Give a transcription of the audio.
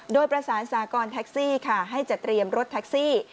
โดยประสานสากรแท็กซี่ค่ะให้จัดเตรียมรถแท็กซี่